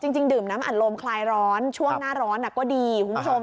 จริงดื่มน้ำอัดลมคลายร้อนช่วงหน้าร้อนก็ดีคุณผู้ชม